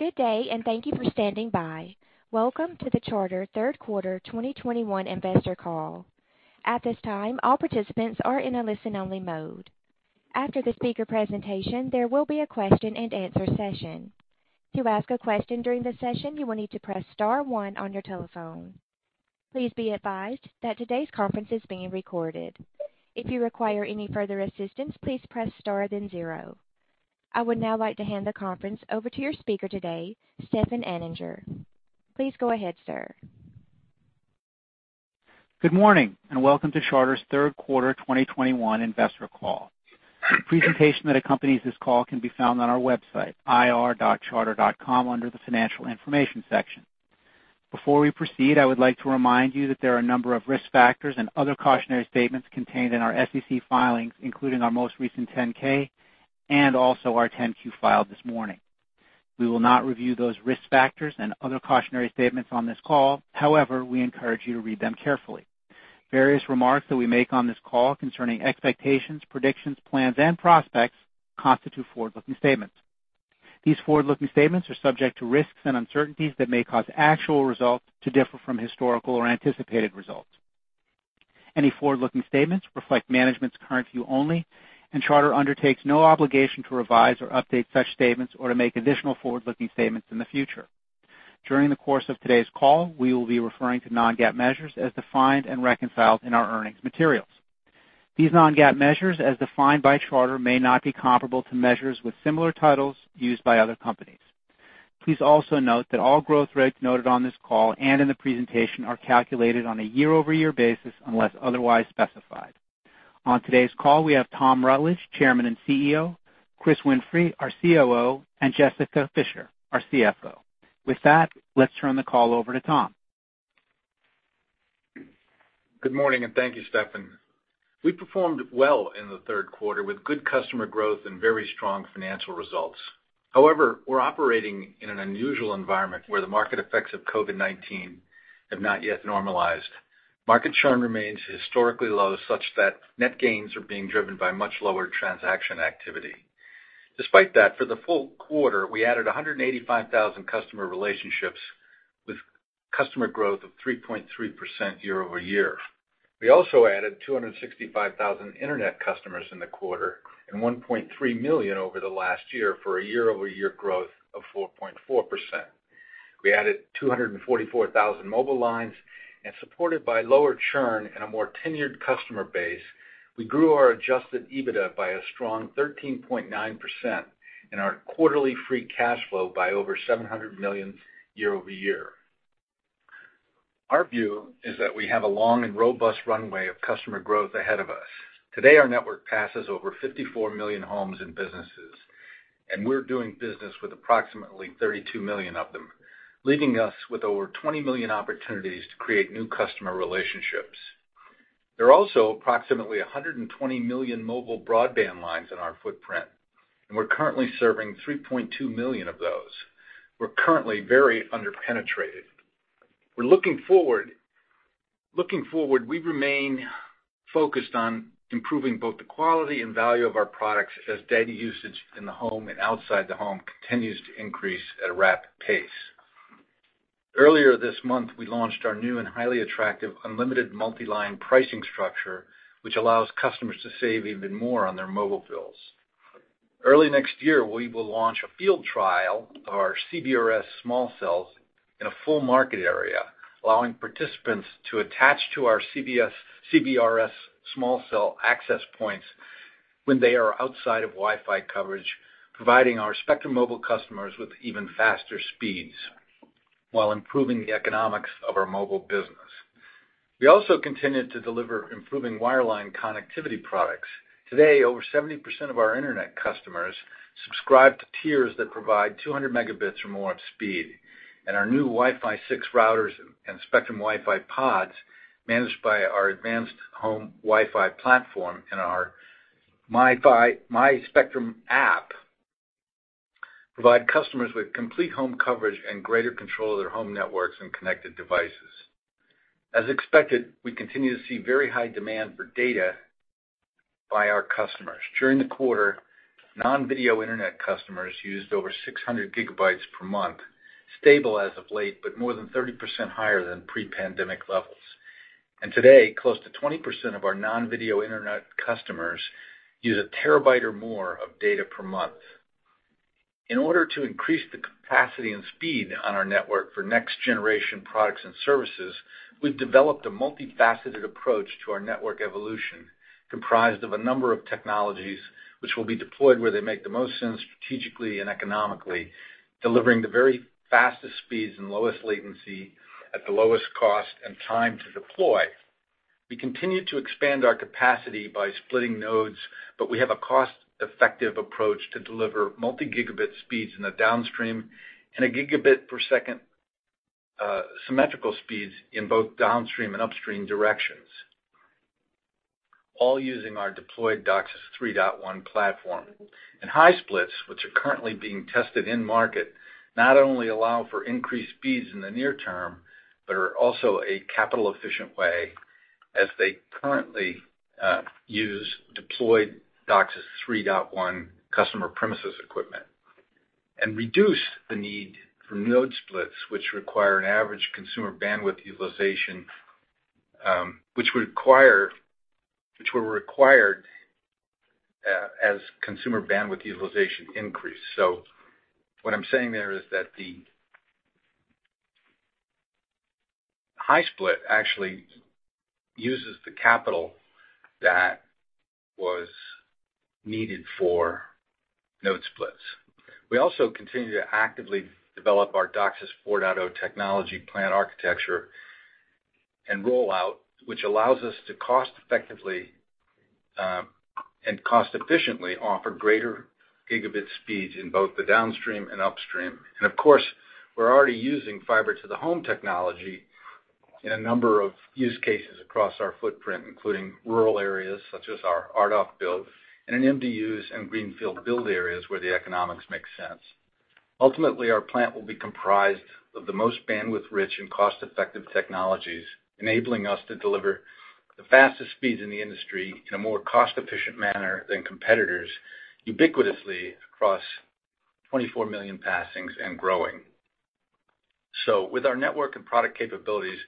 Good day, and thank you for standing by. Welcome to the Charter third quarter 2021 investor call. At this time, all participants are in a listen-only mode. After the speaker presentation, there will be a question-and-answer session. To ask a question during the session, you will need to press star one on your telephone. Please be advised that today's conference is being recorded. If you require any further assistance, please press star then zero. I would now like to hand the conference over to your speaker today, Stefan Anninger. Please go ahead, sir. Good morning, and welcome to Charter's Third Quarter 2021 Investor Call. The presentation that accompanies this call can be found on our website, ir.charter.com, under the Financial Information section. Before we proceed, I would like to remind you that there are a number of risk factors and other cautionary statements contained in our SEC filings, including our most recent 10-K and also our 10-Q filed this morning. We will not review those risk factors and other cautionary statements on this call. However, we encourage you to read them carefully. Various remarks that we make on this call concerning expectations, predictions, plans, and prospects constitute forward-looking statements. These forward-looking statements are subject to risks and uncertainties that may cause actual results to differ from historical or anticipated results. Any forward-looking statements reflect management's current view only, and Charter undertakes no obligation to revise or update such statements or to make additional forward-looking statements in the future. During the course of today's call, we will be referring to non-GAAP measures as defined and reconciled in our earnings materials. These non-GAAP measures, as defined by Charter, may not be comparable to measures with similar titles used by other companies. Please also note that all growth rates noted on this call and in the presentation are calculated on a year-over-year basis unless otherwise specified. On today's call, we have Tom Rutledge, Chairman and CEO, Chris Winfrey, our COO, and Jessica Fischer, our CFO. With that, let's turn the call over to Tom. Good morning, and thank you, Stefan. We performed well in the third quarter with good customer growth and very strong financial results. However, we're operating in an unusual environment where the market effects of COVID-19 have not yet normalized. Market churn remains historically low, such that net gains are being driven by much lower transaction activity. Despite that, for the full quarter, we added 185,000 customer relationships with customer growth of 3.3% year-over-year. We also added 265,000 internet customers in the quarter and 1.3 million over the last year for a year-over-year growth of 4.4%. We added 244,000 mobile lines, supported by lower churn and a more tenured customer base. We grew our adjusted EBITDA by a strong 13.9% and our quarterly free cash flow by over $700 million year-over-year. Our view is that we have a long and robust runway of customer growth ahead of us. Today, our network passes over 54 million homes and businesses, and we're doing business with approximately 32 million of them, leaving us with over 20 million opportunities to create new customer relationships. There are also approximately 120 million mobile broadband lines in our footprint, and we're currently serving 3.2 million of those. We're currently very under-penetrated. We remain focused on improving both the quality and value of our products as data usage in the home and outside the home continues to increase at a rapid pace. Earlier this month, we launched our new and highly attractive unlimited multi-line pricing structure, which allows customers to save even more on their mobile bills. Early next year, we will launch a field trial of our CBRS small cells in a full market area, allowing participants to attach to our CBRS small cell access points when they are outside of Wi-Fi coverage, providing our Spectrum Mobile customers with even faster speeds while improving the economics of our mobile business. We also continued to deliver improving wireline connectivity products. Today, over 70% of our internet customers subscribe to tiers that provide 200 megabits or more of speed. Our new Wi-Fi six routers and Spectrum WiFi Pods, managed by our advanced home Wi-Fi platform and our My Spectrum App, provide customers with complete home coverage and greater control of their home networks and connected devices. As expected, we continue to see very high demand for data by our customers. During the quarter, non-video internet customers used over 600 GB per month, stable as of late, but more than 30% higher than pre-pandemic levels. Today, close to 20% of our non-video internet customers use 1 TB or more of data per month. In order to increase the capacity and speed on our network for next generation products and services, we've developed a multifaceted approach to our network evolution, comprised of a number of technologies which will be deployed where they make the most sense strategically and economically, delivering the very fastest speeds and lowest latency at the lowest cost and time to deploy. We continue to expand our capacity by splitting nodes, but we have a cost-effective approach to deliver multi-gigabit speeds in the downstream and a gigabit per second symmetrical speeds in both downstream and upstream directions, all using our deployed DOCSIS 3.1 platform. High splits, which are currently being tested in market, not only allow for increased speeds in the near term, but are also a capital efficient way. As they currently use deployed DOCSIS 3.1 customer premises equipment and reduce the need for node splits, which were required as consumer bandwidth utilization increased. What I'm saying there is that the high split actually uses the capital that was needed for node splits. We also continue to actively develop our DOCSIS 4.0 technology plan architecture and rollout, which allows us to cost effectively and cost efficiently offer greater gigabit speeds in both the downstream and upstream. Of course, we're already using fiber to the home technology in a number of use cases across our footprint, including rural areas such as our RDOF build and in MDUs and greenfield build areas where the economics make sense. Ultimately, our plant will be comprised of the most bandwidth-rich and cost-effective technologies, enabling us to deliver the fastest speeds in the industry in a more cost-efficient manner than competitors ubiquitously across 24 million passings and growing. With our network and product capabilities,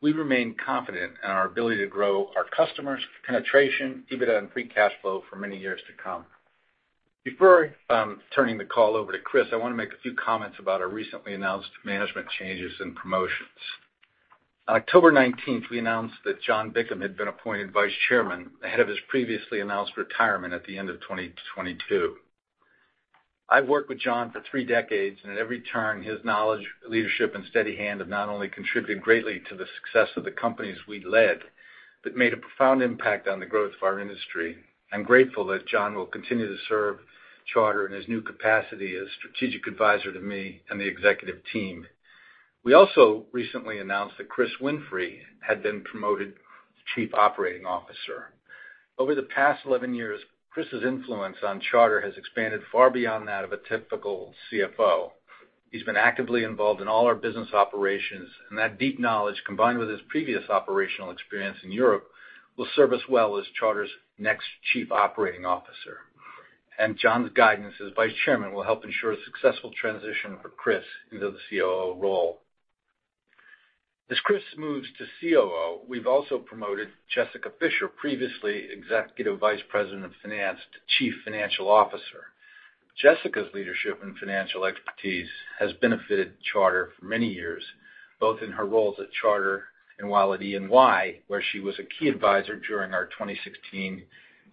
we remain confident in our ability to grow our customers, penetration, EBITDA, and free cash flow for many years to come. Before turning the call over to Chris, I want to make a few comments about our recently announced management changes and promotions. On October 19, we announced that John Bickham had been appointed Vice Chairman ahead of his previously announced retirement at the end of 2022. I've worked with John for three decades, and at every turn, his knowledge, leadership, and steady hand have not only contributed greatly to the success of the companies we led, but made a profound impact on the growth of our industry. I'm grateful that John will continue to serve Charter in his new capacity as strategic advisor to me and the executive team. We also recently announced that Chris Winfrey had been promoted to Chief Operating Officer. Over the past 11 years, Chris's influence on Charter has expanded far beyond that of a typical CFO. He's been actively involved in all our business operations, and that deep knowledge, combined with his previous operational experience in Europe, will serve us well as Charter's next chief operating officer. John's guidance as vice chairman will help ensure a successful transition for Chris into the COO role. As Chris moves to COO, we've also promoted Jessica Fischer, previously Executive Vice President of Finance, to Chief Financial Officer. Jessica's leadership and financial expertise has benefited Charter for many years, both in her roles at Charter and while at EY, where she was a key advisor during our 2016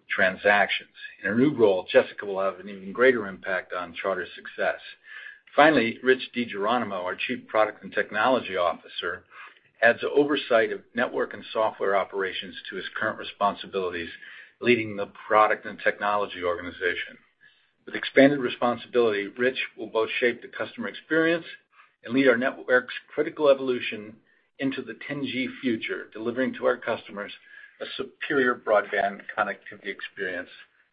transactions. In her new role, Jessica will have an even greater impact on Charter's success. Finally, Rich DiGeronimo, our Chief Product and Technology Officer, adds oversight of network and software operations to his current responsibilities, leading the product and technology organization. With expanded responsibility, Rich will both shape the customer experience and lead our network's critical evolution into the 10G future, delivering to our customers a superior broadband connectivity experience.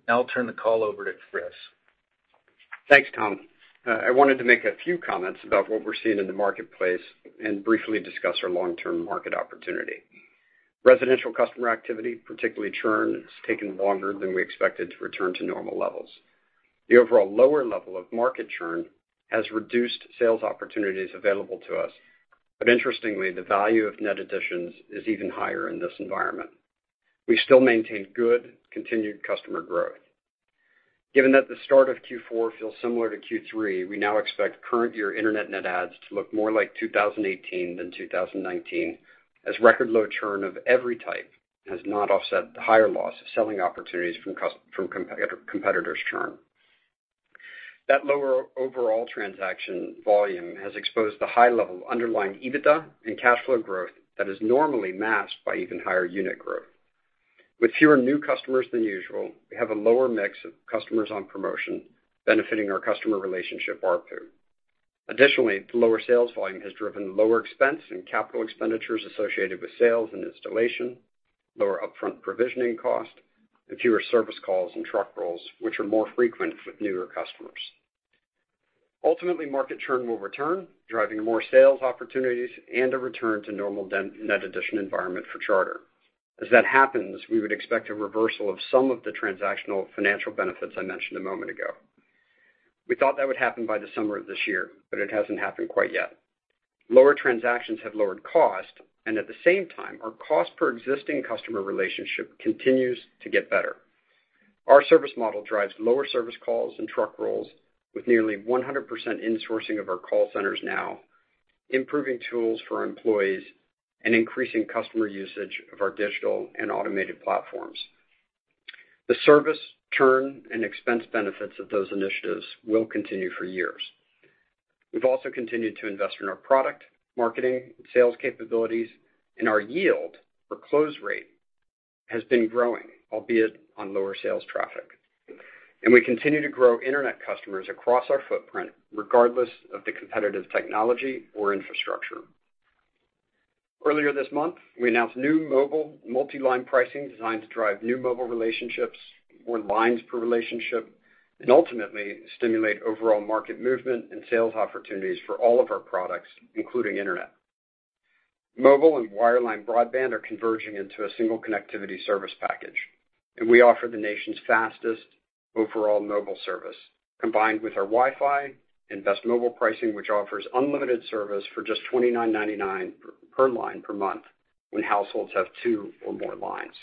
Now I'll turn the call over to Chris. Thanks, Tom. I wanted to make a few comments about what we're seeing in the marketplace and briefly discuss our long-term market opportunity. Residential customer activity, particularly churn, has taken longer than we expected to return to normal levels. The overall lower level of market churn has reduced sales opportunities available to us. Interestingly, the value of net additions is even higher in this environment. We still maintain good continued customer growth. Given that the start of Q4 feels similar to Q3, we now expect current year internet net adds to look more like 2018 than 2019, as record low churn of every type has not offset the higher loss of selling opportunities from competitors' churn. That lower overall transaction volume has exposed the high level of underlying EBITDA and cash flow growth that is normally masked by even higher unit growth. With fewer new customers than usual, we have a lower mix of customers on promotion benefiting our customer relationship ARPU. Additionally, the lower sales volume has driven lower expense and capital expenditures associated with sales and installation, lower upfront provisioning cost, and fewer service calls and truck rolls, which are more frequent with newer customers. Ultimately, market churn will return, driving more sales opportunities and a return to normal net addition environment for Charter. As that happens, we would expect a reversal of some of the transactional financial benefits I mentioned a moment ago. We thought that would happen by the summer of this year, but it hasn't happened quite yet. Lower transactions have lowered cost, and at the same time, our cost per existing customer relationship continues to get better. Our service model drives lower service calls and truck rolls with nearly 100% insourcing of our call centers now, improving tools for our employees, and increasing customer usage of our digital and automated platforms. The service, churn, and expense benefits of those initiatives will continue for years. We've also continued to invest in our product, marketing, and sales capabilities, and our yield or close rate has been growing, albeit on lower sales traffic. We continue to grow internet customers across our footprint regardless of the competitive technology or infrastructure. Earlier this month, we announced new mobile multi-line pricing designed to drive new mobile relationships, more lines per relationship, and ultimately stimulate overall market movement and sales opportunities for all of our products, including internet. Mobile and wireline broadband are converging into a single connectivity service package, and we offer the nation's fastest overall mobile service, combined with our Wi-Fi and best mobile pricing, which offers unlimited service for just $29.99 per line per month when households have two or more lines.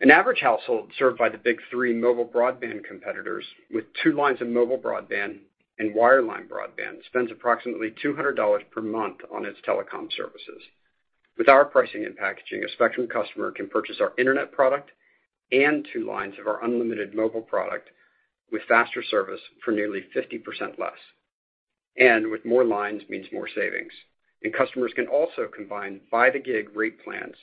An average household served by the big three mobile broadband competitors with two lines of mobile broadband and wireline broadband spends approximately $200 per month on its telecom services. With our pricing and packaging, a Spectrum customer can purchase our internet product and two lines of our unlimited mobile product with faster service for nearly 50% less. With more lines means more savings. Customers can also combine by the gig rate plans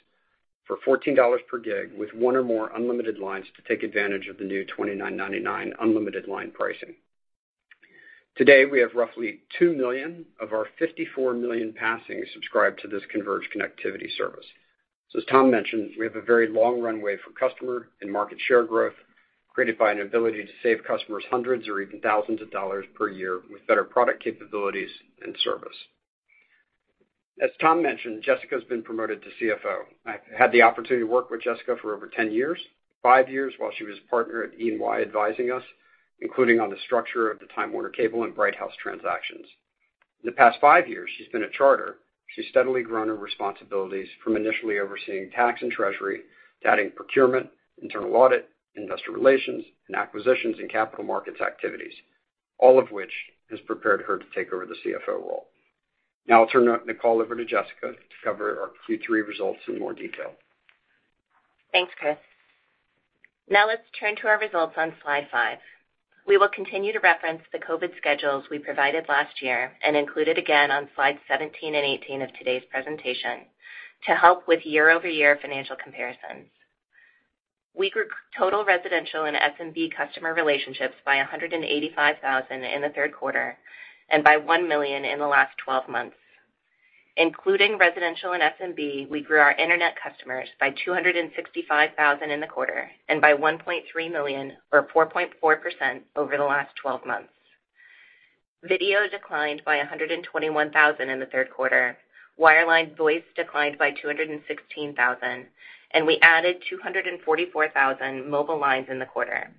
for $14 per gig with one or more unlimited lines to take advantage of the new $29.99 unlimited line pricing. Today, we have roughly 2 million of our 54 million passings subscribed to this converged connectivity service. As Tom mentioned, we have a very long runway for customer and market share growth created by an ability to save customers hundreds or even thousands of dollars per year with better product capabilities and service. As Tom mentioned, Jessica has been promoted to CFO. I had the opportunity to work with Jessica for over 10 years, 5 years while she was a partner at EY advising us, including on the structure of the Time Warner Cable and Bright House transactions. The past 5 years she's been at Charter, she's steadily grown her responsibilities from initially overseeing tax and treasury to adding procurement, internal audit, investor relations, and acquisitions and capital markets activities, all of which has prepared her to take over the CFO role. Now I'll turn the call over to Jessica to cover our Q3 results in more detail. Thanks, Chris. Now let's turn to our results on slide 5. We will continue to reference the COVID schedules we provided last year and include it again on slides 17 and 18 of today's presentation to help with year-over-year financial comparisons. We grew total residential and SMB customer relationships by 185,000 in the third quarter and by 1 million in the last twelve months. Including residential and SMB, we grew our internet customers by 265,000 in the quarter and by 1.3 million or 4.4% over the last twelve months. Video declined by 121,000 in the third quarter. Wireline voice declined by 216,000, and we added 244,000 mobile lines in the quarter.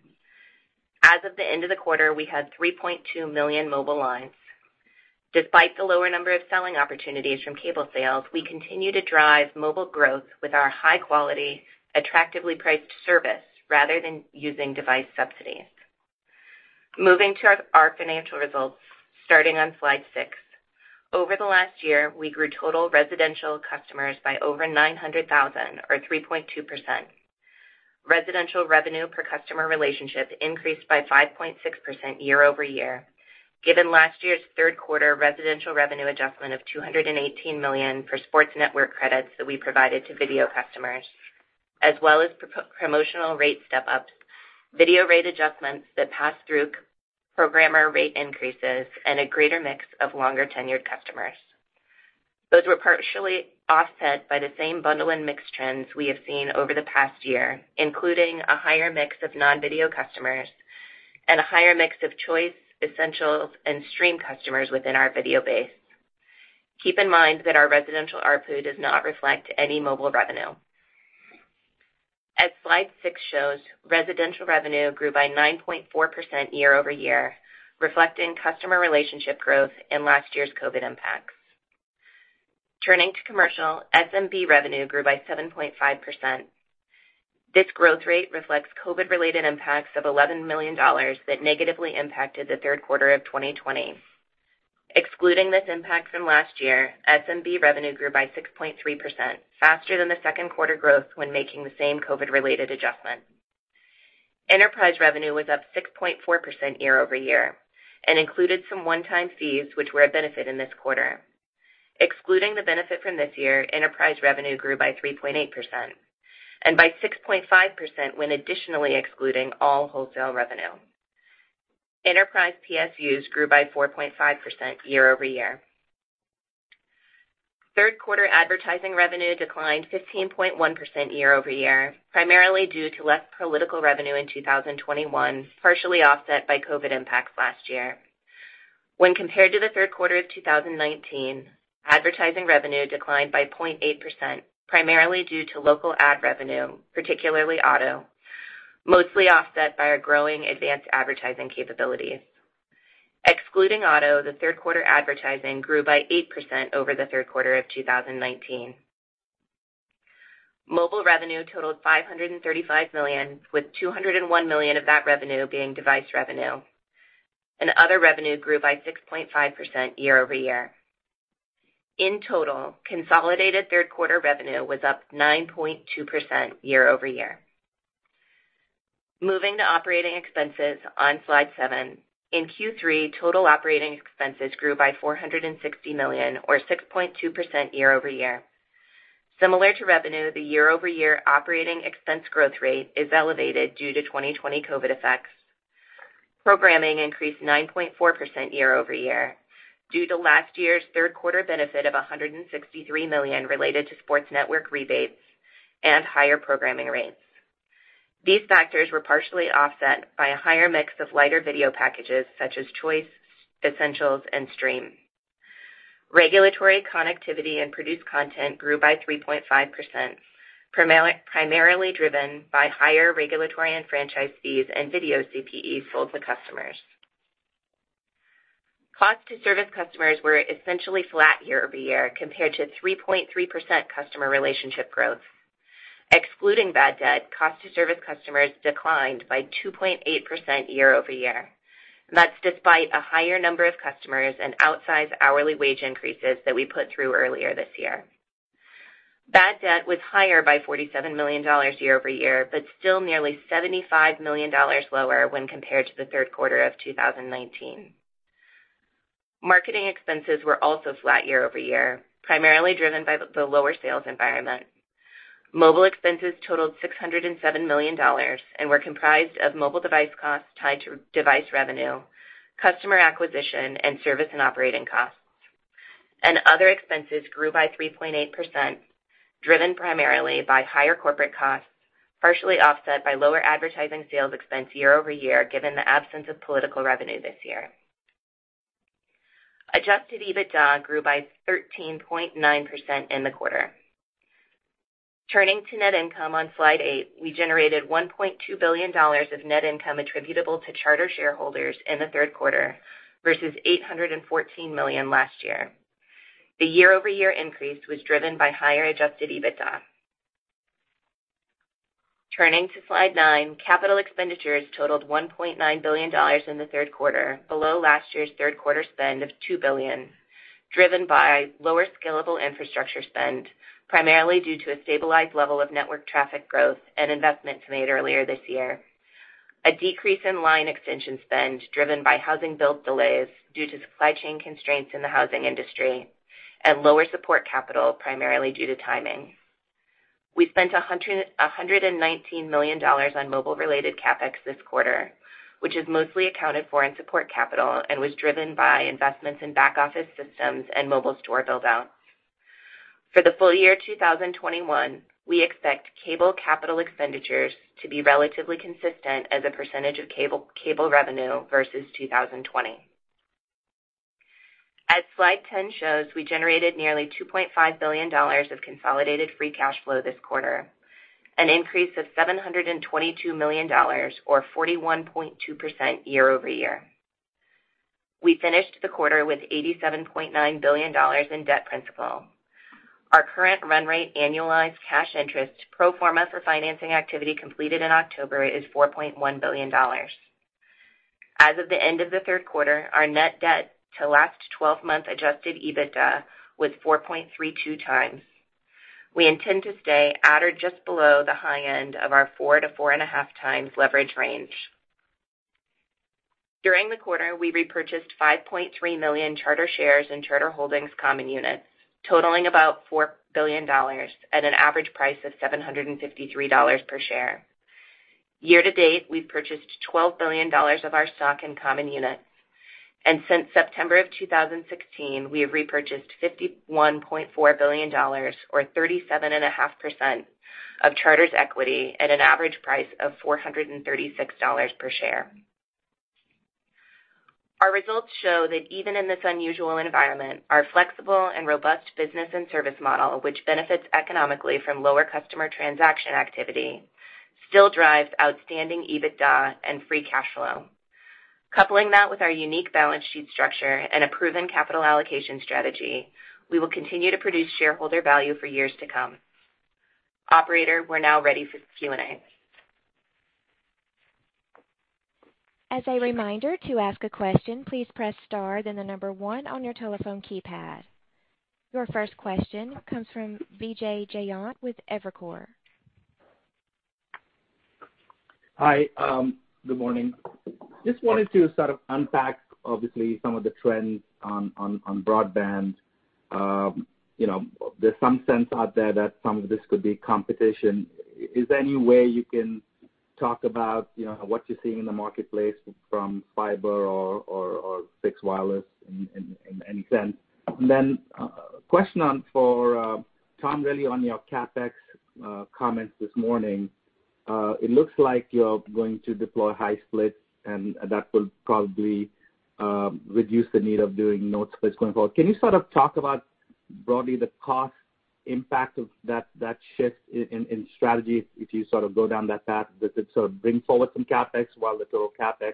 As of the end of the quarter, we had 3.2 million mobile lines. Despite the lower number of selling opportunities from cable sales, we continue to drive mobile growth with our high quality, attractively priced service rather than using device subsidies. Moving to our financial results, starting on Slide 6. Over the last year, we grew total residential customers by over 900,000 or 3.2%. Residential revenue per customer relationship increased by 5.6% year-over-year, given last year's third quarter residential revenue adjustment of $218 million for sports network credits that we provided to video customers, as well as pro-rata promotional rate step-ups, video rate adjustments that pass through programmer rate increases, and a greater mix of longer-tenured customers. Those were partially offset by the same bundle and mix trends we have seen over the past year, including a higher mix of non-video customers and a higher mix of Choice, Essentials, and Stream customers within our video base. Keep in mind that our residential ARPU does not reflect any mobile revenue. As slide six shows, residential revenue grew by 9.4% year-over-year, reflecting customer relationship growth and last year's COVID impacts. Turning to commercial, SMB revenue grew by 7.5%. This growth rate reflects COVID-related impacts of $11 million that negatively impacted the third quarter of 2020. Excluding this impact from last year, SMB revenue grew by 6.3%, faster than the second quarter growth when making the same COVID-related adjustment. Enterprise revenue was up 6.4% year-over-year and included some one-time fees which were a benefit in this quarter. Excluding the benefit from this year, enterprise revenue grew by 3.8% and by 6.5% when additionally excluding all wholesale revenue. Enterprise PSUs grew by 4.5% year-over-year. Third quarter advertising revenue declined 15.1% year-over-year, primarily due to less political revenue in 2021, partially offset by COVID impacts last year. When compared to the third quarter of 2019, advertising revenue declined by 0.8%, primarily due to local ad revenue, particularly auto, mostly offset by our growing advanced advertising capabilities. Excluding auto, the third quarter advertising grew by 8% over the third quarter of 2019. Mobile revenue totaled $535 million, with $201 million of that revenue being device revenue. Other revenue grew by 6.5% year-over-year. In total, consolidated third quarter revenue was up 9.2% year-over-year. Moving to operating expenses on slide 7. In Q3, total operating expenses grew by $460 million or 6.2% year-over-year. Similar to revenue, the year-over-year operating expense growth rate is elevated due to 2020 COVID effects. Programming increased 9.4% year-over-year due to last year's third quarter benefit of $163 million related to sports network rebates and higher programming rates. These factors were partially offset by a higher mix of lighter video packages such as Choice, Essentials, and Stream. Regulatory connectivity and produced content grew by 3.5%, primarily driven by higher regulatory and franchise fees and video CPE sold to customers. Costs to service customers were essentially flat year-over-year compared to 3.3% customer relationship growth. Excluding bad debt, cost to service customers declined by 2.8% year-over-year. That's despite a higher number of customers and outsized hourly wage increases that we put through earlier this year. Bad debt was higher by $47 million year-over-year, but still nearly $75 million lower when compared to the third quarter of 2019. Marketing expenses were also flat year-over-year, primarily driven by the lower sales environment. Mobile expenses totaled $607 million and were comprised of mobile device costs tied to device revenue, customer acquisition, and service and operating costs. Other expenses grew by 3.8%, driven primarily by higher corporate costs, partially offset by lower advertising sales expense year-over-year, given the absence of political revenue this year. Adjusted EBITDA grew by 13.9% in the quarter. Turning to net income on slide 8, we generated $1.2 billion of net income attributable to Charter shareholders in the third quarter versus $814 million last year. The year-over-year increase was driven by higher adjusted EBITDA. Turning to slide 9, capital expenditures totaled $1.9 billion in the third quarter, below last year's third quarter spend of $2 billion, driven by lower scalable infrastructure spend, primarily due to a stabilized level of network traffic growth and investments made earlier this year. A decrease in line extension spend driven by housing build delays due to supply chain constraints in the housing industry and lower support capital primarily due to timing. We spent $119 million on mobile-related CapEx this quarter, which is mostly accounted for in support capital and was driven by investments in back-office systems and mobile store build-outs. For the full year 2021, we expect cable capital expenditures to be relatively consistent as a percentage of cable revenue versus 2020. As slide 10 shows, we generated nearly $2.5 billion of consolidated free cash flow this quarter, an increase of $722 million or 41.2% year-over-year. We finished the quarter with $87.9 billion in debt principal. Our current run rate annualized cash interest pro forma for financing activity completed in October is $4.1 billion. As of the end of the third quarter, our net debt to last twelve-month adjusted EBITDA was 4.32 times. We intend to stay at or just below the high end of our 4-4.5 times leverage range. During the quarter, we repurchased 5.3 million Charter shares and Charter Holdings common units, totaling about $4 billion at an average price of $753 per share. Year-to-date, we've purchased $12 billion of our stock and common units, and since September 2016, we have repurchased $51.4 billion or 37.5% of Charter's equity at an average price of $436 per share. Our results show that even in this unusual environment, our flexible and robust business and service model, which benefits economically from lower customer transaction activity, still drives outstanding EBITDA and free cash flow. Coupling that with our unique balance sheet structure and a proven capital allocation strategy, we will continue to produce shareholder value for years to come. Operator, we're now ready for Q&A. Your first question comes from Vijay Jayant with Evercore. Hi, good morning. Just wanted to sort of unpack obviously some of the trends on broadband. You know, there's some sense out there that some of this could be competition. Is there any way you can talk about, you know, what you're seeing in the marketplace from fiber or fixed wireless in any sense? Then, question for Tom really on your CapEx comments this morning. It looks like you're going to deploy high splits and that will probably reduce the need of doing node splits going forward. Can you sort of talk about broadly the cost impact of that shift in strategy if you sort of go down that path? Does it sort of bring forward some CapEx while the total CapEx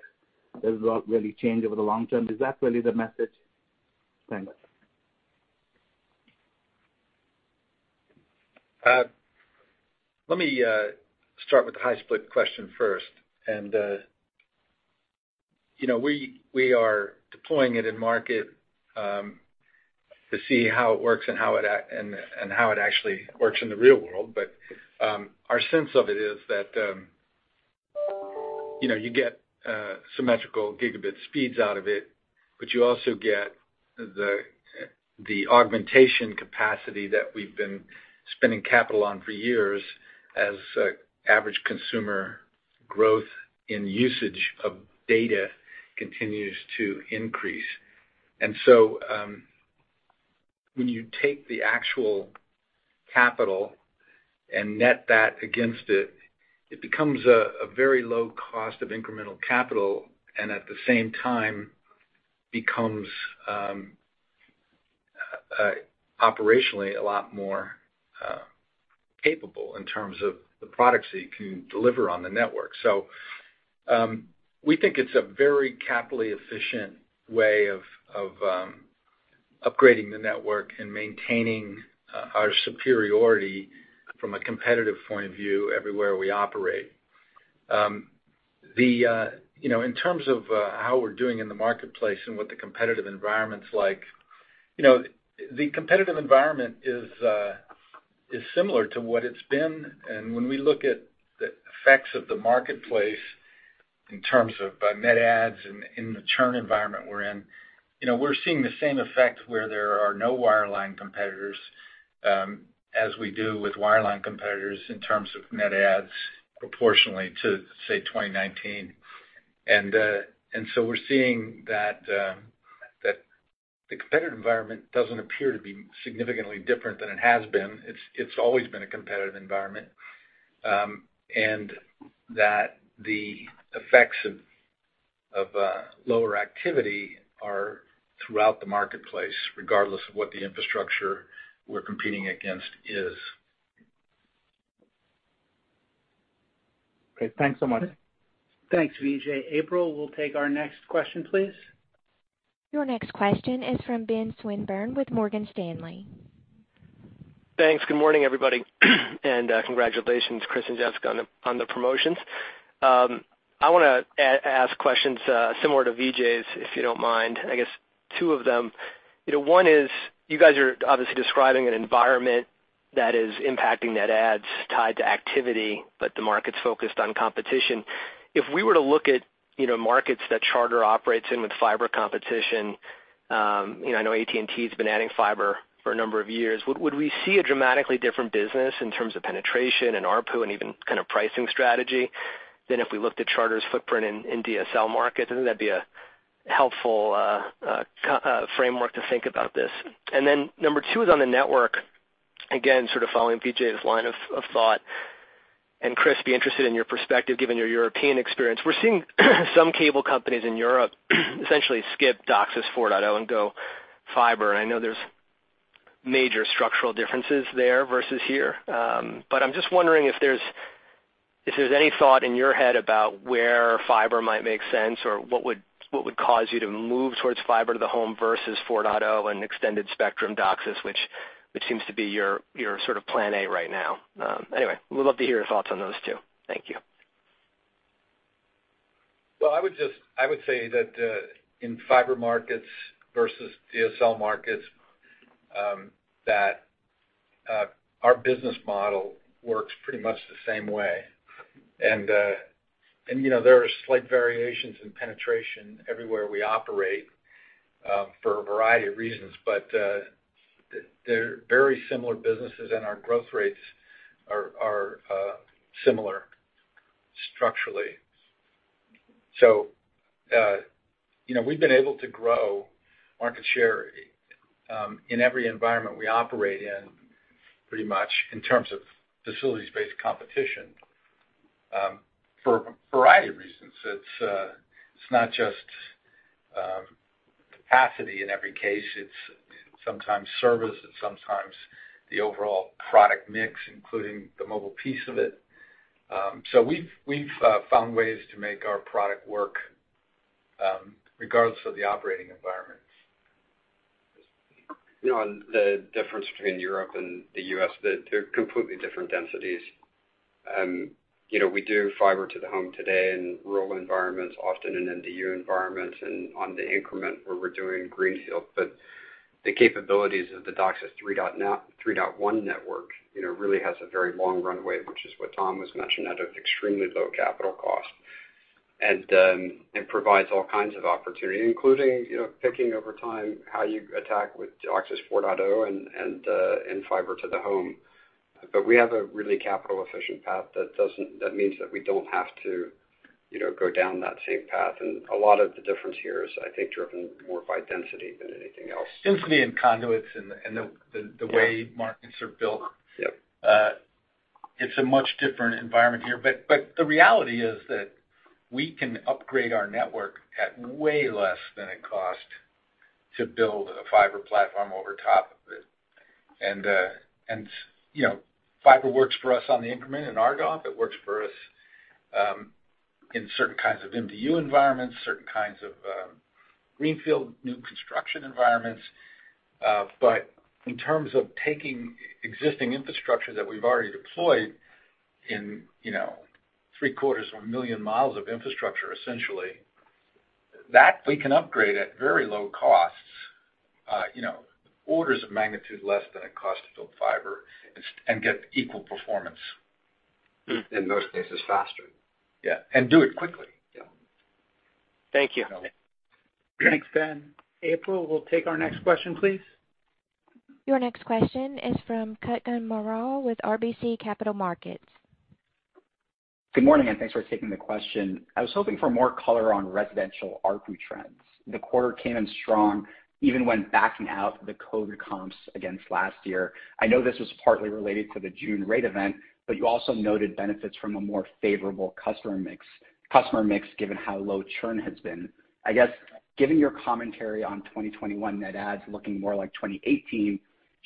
does not really change over the long term? Is that really the message? Thank you. Let me start with the high splits question first. You know, we are deploying it in market to see how it works and how it actually works in the real world. Our sense of it is that you know, you get symmetrical gigabit speeds out of it. You also get the augmentation capacity that we've been spending capital on for years as average consumer growth in usage of data continues to increase. When you take the actual capital and net that against it becomes a very low cost of incremental capital, and at the same time, becomes operationally a lot more capable in terms of the products that you can deliver on the network. We think it's a very capitally efficient way of upgrading the network and maintaining our superiority from a competitive point of view everywhere we operate. You know, in terms of how we're doing in the marketplace and what the competitive environment's like, you know, the competitive environment is similar to what it's been. When we look at the effects of the marketplace in terms of net adds and the churn environment we're in, you know, we're seeing the same effect where there are no wireline competitors, as we do with wireline competitors in terms of net adds proportionally to, say, 2019. We're seeing that the competitive environment doesn't appear to be significantly different than it has been. It's always been a competitive environment, and that the effects of lower activity are throughout the marketplace, regardless of what the infrastructure we're competing against is. Great. Thanks so much. Thanks, Vijay. April, we'll take our next question, please. Your next question is from Ben Swinburne with Morgan Stanley. Thanks. Good morning, everybody and, congratulations, Chris and Jessica on the promotions. I wanna ask questions, similar to Vijay's, if you don't mind. I guess two of them. You know, one is, you guys are obviously describing an environment that is impacting net adds tied to activity, but the market's focused on competition. If we were to look at, you know, markets that Charter operates in with fiber competition, you know, I know AT&T's been adding fiber for a number of years. Would we see a dramatically different business in terms of penetration and ARPU and even kind of pricing strategy than if we looked at Charter's footprint in DSL markets? I think that'd be a helpful framework to think about this. Then number two is on the network, again, sort of following Vijay's line of thought, and Chris, I'd be interested in your perspective given your European experience. We're seeing some cable companies in Europe essentially skip DOCSIS 4.0 and go fiber. I know there's major structural differences there versus here. But I'm just wondering if there's any thought in your head about where fiber might make sense or what would cause you to move towards fiber to the home versus 4.0 and extended spectrum DOCSIS, which seems to be your sort of plan A right now. Anyway, would love to hear your thoughts on those 2. Thank you. Well, I would say that in fiber markets versus DSL markets, our business model works pretty much the same way. You know, there are slight variations in penetration everywhere we operate for a variety of reasons, but they're very similar businesses and our growth rates are similar structurally. You know, we've been able to grow market share in every environment we operate in, pretty much in terms of facilities-based competition for a variety of reasons. It's not just capacity in every case, it's sometimes service and sometimes the overall product mix, including the mobile piece of it. We've found ways to make our product work regardless of the operating environments. You know, the difference between Europe and the U.S., they're completely different densities. You know, we do fiber to the home today in rural environments, often in MDU environments and on the increment where we're doing greenfield. The capabilities of the DOCSIS 3.1 network, you know, really has a very long runway, which is what Tom was mentioning, at an extremely low capital cost. It provides all kinds of opportunity, including, you know, picking over time how you attack with DOCSIS 4.0 and fiber to the home. We have a really capital efficient path that means that we don't have to, you know, go down that same path. A lot of the difference here is, I think, driven more by density than anything else. Density and conduits and the way markets are built. Yep. It's a much different environment here. But the reality is that we can upgrade our network at way less than it costs to build a fiber platform over top of it. You know, fiber works for us on the increment in ARPU. It works for us in certain kinds of MDU environments, certain kinds of greenfield new construction environments. In terms of taking existing infrastructure that we've already deployed in, you know, three-quarters of a million miles of infrastructure, essentially, that we can upgrade at very low cost. You know, orders of magnitude less than it costs to build fiber and get equal performance. In most cases faster. Yeah, do it quickly. Yeah. Thank you. Okay. Thanks, Ben. April, we'll take our next question, please. Your next question is from Kutgun Maral with RBC Capital Markets. Good morning, and thanks for taking the question. I was hoping for more color on residential ARPU trends. The quarter came in strong even when backing out the COVID comps against last year. I know this was partly related to the June rate event, but you also noted benefits from a more favorable customer mix, given how low churn has been. I guess, given your commentary on 2021 net adds looking more like 2018,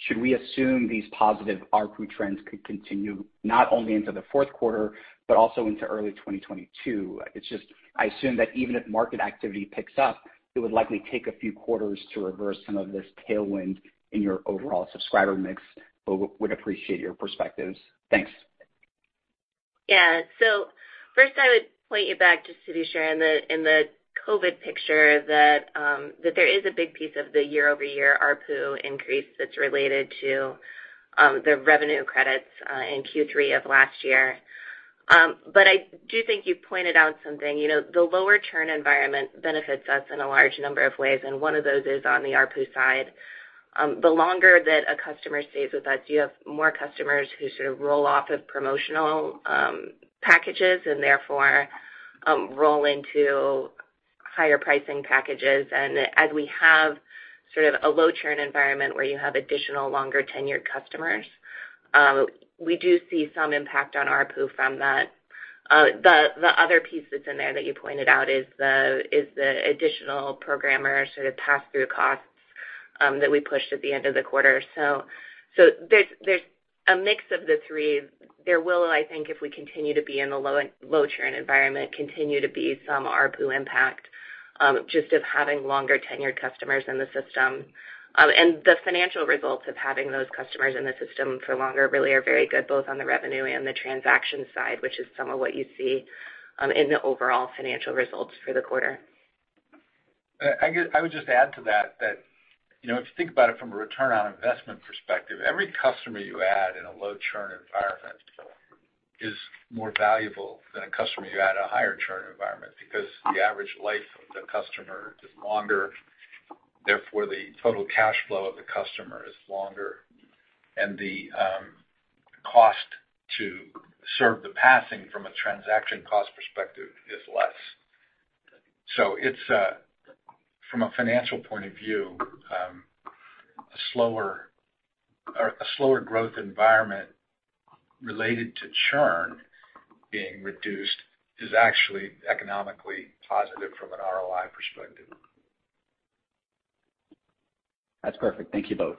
should we assume these positive ARPU trends could continue not only into the fourth quarter but also into early 2022? It's just I assume that even if market activity picks up, it would likely take a few quarters to reverse some of this tailwind in your overall subscriber mix. Would appreciate your perspectives. Thanks. Yeah. First, I would point you back just to be sure in the COVID picture that there is a big piece of the year-over-year ARPU increase that's related to the revenue credits in Q3 of last year. I do think you pointed out something. You know, the lower churn environment benefits us in a large number of ways, and one of those is on the ARPU side. The longer that a customer stays with us, you have more customers who sort of roll off of promotional packages and therefore roll into higher pricing packages. As we have sort of a low churn environment where you have additional longer tenured customers, we do see some impact on ARPU from that. The other piece that's in there that you pointed out is the additional programmer sort of pass-through costs that we pushed at the end of the quarter. There's a mix of the three. There will, I think, if we continue to be in a low churn environment, continue to be some ARPU impact just of having longer tenured customers in the system. The financial results of having those customers in the system for longer really are very good, both on the revenue and the transaction side, which is some of what you see in the overall financial results for the quarter. I would just add to that, you know, if you think about it from a return on investment perspective, every customer you add in a low churn environment is more valuable than a customer you add in a higher churn environment because the average life of the customer is longer. Therefore, the total cash flow of the customer is longer. The cost to serve the passing from a transaction cost perspective is less. It's, from a financial point of view, a slower growth environment related to churn being reduced is actually economically positive from an ROI perspective. That's perfect. Thank you both.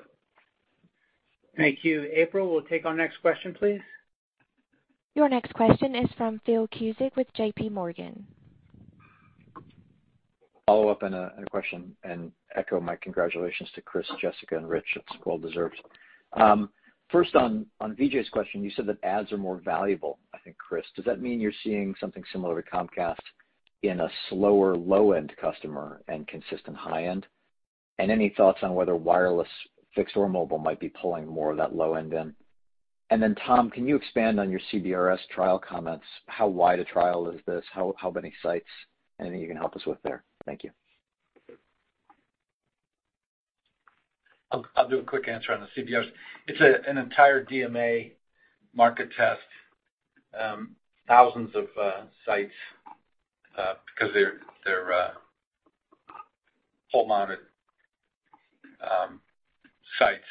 Thank you. April, we'll take our next question, please. Your next question is from Phil Cusick with J.P. Morgan. Follow up on a question and echo my congratulations to Chris, Jessica and Rich. It's well deserved. First on Vijay's question, you said that ads are more valuable, I think, Chris. Does that mean you're seeing something similar to Comcast in a slower low-end customer and consistent high-end? And any thoughts on whether wireless fixed or mobile might be pulling more of that low end in? And then Tom, can you expand on your CBRS trial comments? How wide a trial is this? How many sites? Anything you can help us with there? Thank you. I'll do a quick answer on the CBRS. It's an entire DMA market test. Thousands of sites, because they're pole mounted sites.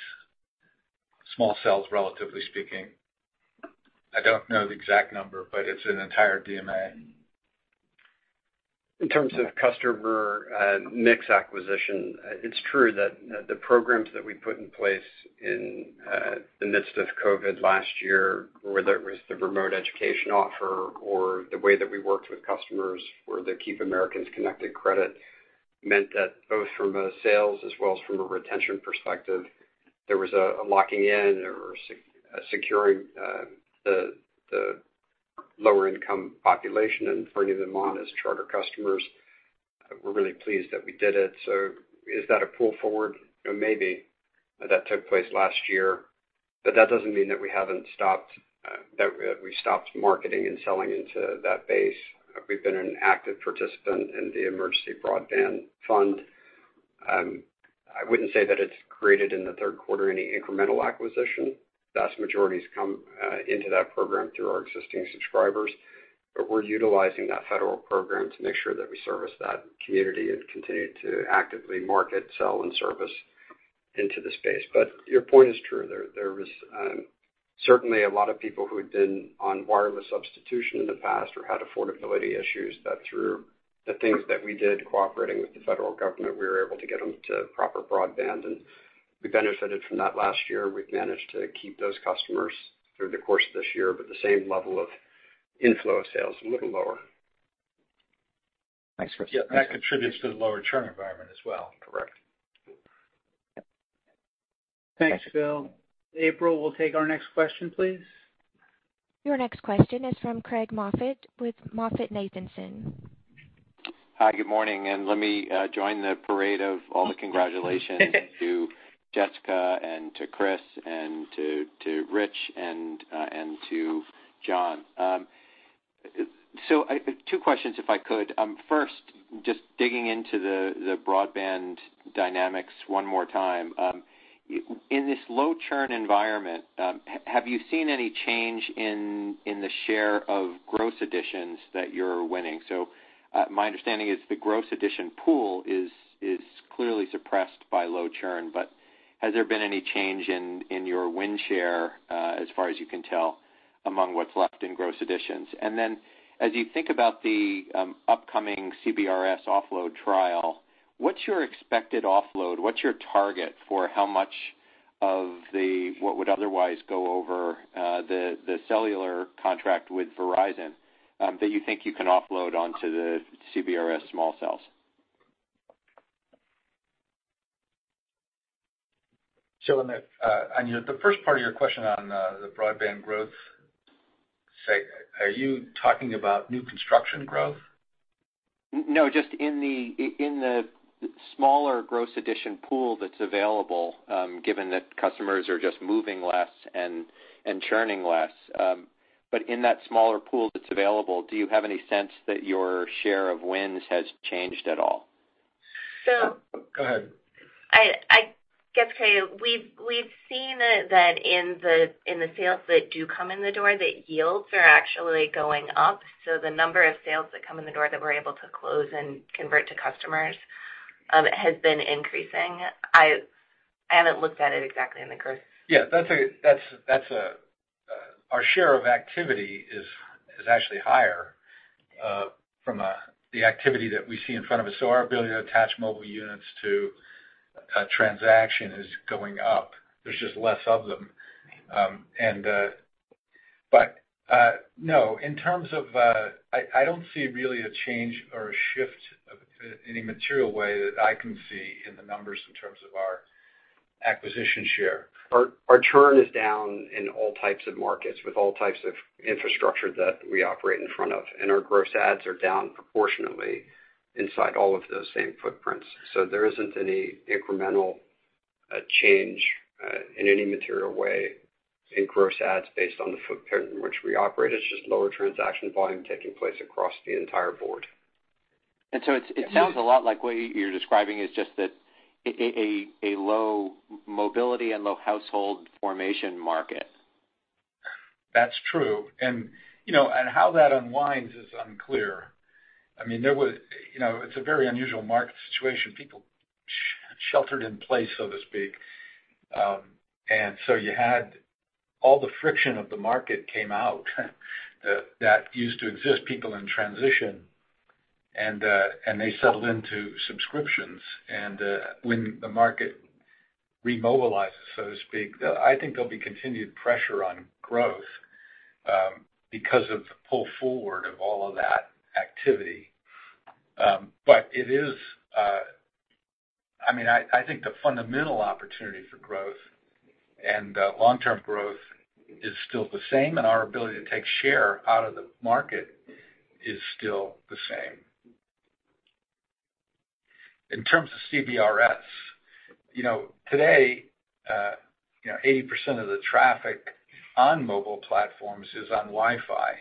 Small cells, relatively speaking. I don't know the exact number, but it's an entire DMA. In terms of customer mix acquisition, it's true that, you know, the programs that we put in place in the midst of COVID last year, whether it was the remote education offer or the way that we worked with customers or the Keep Americans Connected credit, meant that both from a sales as well as from a retention perspective, there was a locking in or securing the lower income population and bringing them on as Charter customers. We're really pleased that we did it. Is that a pull forward? You know, maybe. That took place last year. That doesn't mean that we haven't stopped marketing and selling into that base. We've been an active participant in the Emergency Broadband Fund. I wouldn't say that it's created in the third quarter any incremental acquisition. vast majority has come into that program through our existing subscribers. We're utilizing that federal program to make sure that we service that community and continue to actively market, sell, and service into the space. Your point is true. There was certainly a lot of people who had been on wireless substitution in the past or had affordability issues that through the things that we did cooperating with the federal government, we were able to get them to proper broadband. We benefited from that last year. We've managed to keep those customers through the course of this year, but the same level of inflow of sales is a little lower. Thanks, Chris. Yeah, that contributes to the lower churn environment as well. Correct. Thanks, Phil. April, we'll take our next question, please. Your next question is from Craig Moffett with MoffettNathanson. Hi, good morning, and let me join the parade of all the congratulations to Jessica and to Chris and to Rich and to John. Two questions, if I could. First, just digging into the broadband dynamics one more time. In this low churn environment, have you seen any change in the share of gross additions that you're winning? My understanding is the gross addition pool is clearly suppressed by low churn, but has there been any change in your win share, as far as you can tell, among what's left in gross additions? As you think about the upcoming CBRS offload trial, what's your expected offload? What's your target for how much of the what would otherwise go over the cellular contract with Verizon that you think you can offload onto the CBRS small cells? On the first part of your question on the broadband growth. Are you talking about new construction growth? No, just in the smaller gross addition pool that's available, given that customers are just moving less and churning less. But in that smaller pool that's available, do you have any sense that your share of wins has changed at all? So- Go ahead. I guess, Craig, we've seen that in the sales that do come in the door, that yields are actually going up. The number of sales that come in the door that we're able to close and convert to customers has been increasing. I haven't looked at it exactly in the growth. Yeah, that's our share of activity is actually higher from the activity that we see in front of us. Our ability to attach mobile units to a transaction is going up. There's just less of them. No, in terms of, I don't see really a change or a shift of any material way that I can see in the numbers in terms of our acquisition share. Our churn is down in all types of markets with all types of infrastructure that we operate in front of, and our gross ads are down proportionately inside all of those same footprints. There isn't any incremental change in any material way in gross ads based on the footprint in which we operate. It's just lower transaction volume taking place across the entire board. It sounds a lot like what you're describing is just that a low mobility and low household formation market. That's true. You know, how that unwinds is unclear. I mean, there was, you know, it's a very unusual market situation. People sheltered in place, so to speak. You had all the friction of the market came out that used to exist, people in transition, and they settled into subscriptions. When the market remobilizes, so to speak, I think there'll be continued pressure on growth because of the pull forward of all of that activity. It is, I mean, I think the fundamental opportunity for growth and long-term growth is still the same, and our ability to take share out of the market is still the same. In terms of CBRS, you know, today, 80% of the traffic on mobile platforms is on Wi-Fi,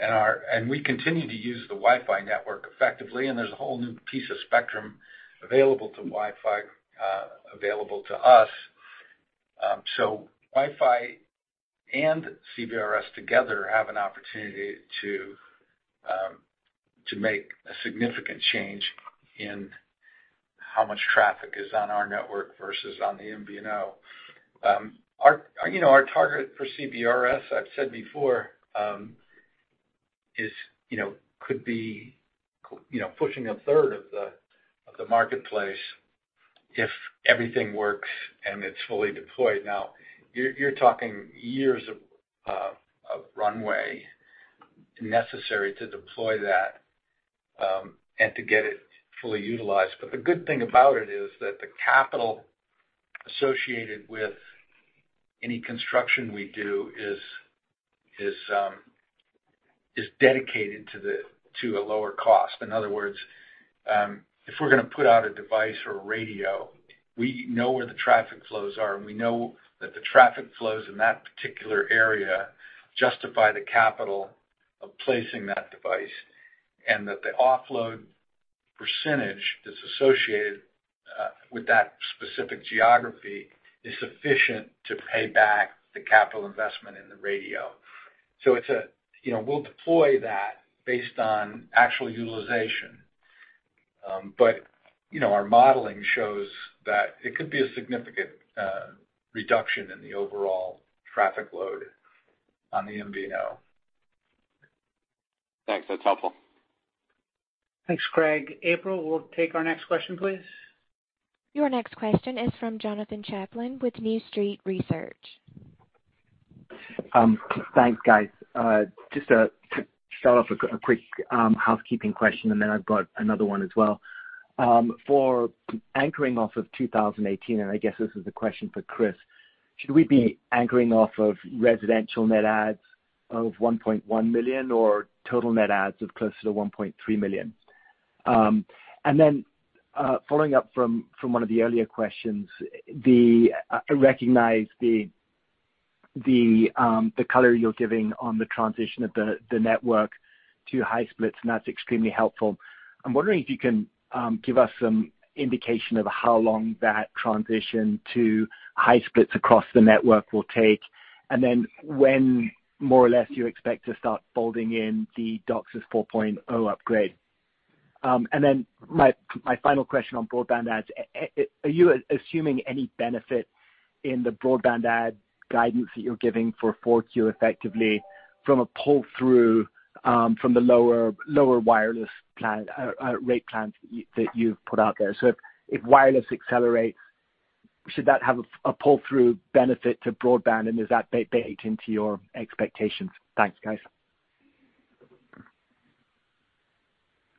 and we continue to use the Wi-Fi network effectively, and there's a whole new piece of spectrum available to Wi-Fi, available to us. So Wi-Fi and CBRS together have an opportunity to make a significant change in how much traffic is on our network versus on the MVNO. Our target for CBRS, I've said before, is, you know, could be, you know, pushing 1/3 of the marketplace if everything works and it's fully deployed. Now, you're talking years of runway necessary to deploy that, and to get it fully utilized. The good thing about it is that the capital associated with any construction we do is dedicated to a lower cost. In other words, if we're gonna put out a device or a radio, we know where the traffic flows are, and we know that the traffic flows in that particular area justify the capital of placing that device, and that the offload percentage that's associated with that specific geography is sufficient to pay back the capital investment in the radio. It's a, you know, we'll deploy that based on actual utilization. You know, our modeling shows that it could be a significant reduction in the overall traffic load on the MVNO. Thanks. That's helpful. Thanks, Craig. April, we'll take our next question, please. Your next question is from Jonathan Chaplin with New Street Research. Thanks, guys. Just to start off a quick housekeeping question, and then I've got another one as well. For anchoring off of 2018, and I guess this is a question for Chris, should we be anchoring off of residential net adds of 1.1 million or total net adds of closer to 1.3 million? Following up from one of the earlier questions, I recognize the color you're giving on the transition of the network to high splits, and that's extremely helpful. I'm wondering if you can give us some indication of how long that transition to high splits across the network will take, and then when, more or less, you expect to start folding in the DOCSIS 4.0 upgrade. My final question on broadband adds, are you assuming any benefit in the broadband add guidance that you're giving for Q4 effectively from a pull-through from the lower wireless plan rate plans that you've put out there? If wireless accelerates, should that have a pull-through benefit to broadband, and is that baked into your expectations? Thanks, guys.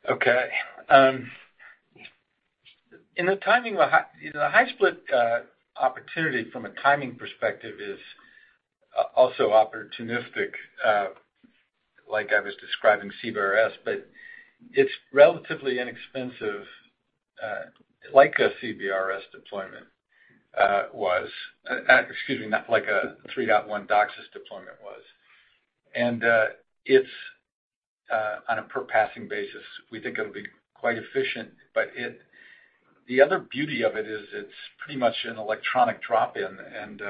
You know, the high split opportunity from a timing perspective is also opportunistic, like I was describing CBRS, but it's relatively inexpensive, like a CBRS deployment, was. Excuse me, not like a 3.1 DOCSIS deployment was. It's on a per-passing basis, we think it'll be quite efficient, but it... The other beauty of it is it's pretty much an electronic drop-in, and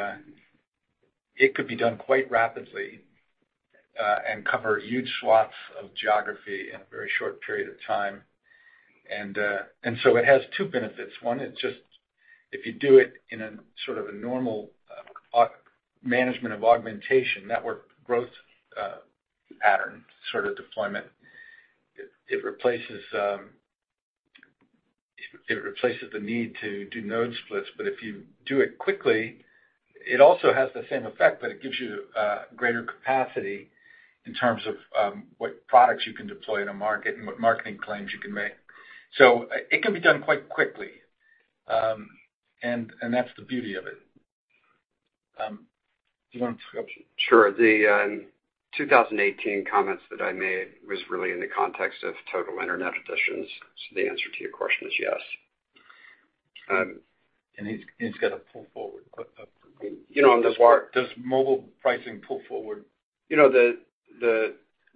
it could be done quite rapidly, and cover huge swaths of geography in a very short period of time. It has two benefits. One is just if you do it in a sort of a normal augmentation network growth pattern sort of deployment, it replaces the need to do node splits. If you do it quickly, it also has the same effect, but it gives you greater capacity in terms of what products you can deploy in a market and what marketing claims you can make. It can be done quite quickly, and that's the beauty of it. Do you wanna go? Sure. The 2018 comments that I made was really in the context of total internet additions. The answer to your question is yes. It's gonna pull forward. You know, on the wire- Does mobile pricing pull forward? You know,